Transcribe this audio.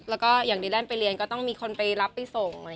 แล้วก็อย่างดีแลนดไปเรียนก็ต้องมีคนไปรับไปส่ง